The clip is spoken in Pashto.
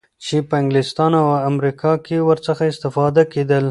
چی په انګلستان او امریکا کی ورڅخه اسفتاده کیدل